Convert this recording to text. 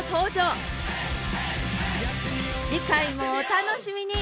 次回もお楽しみに！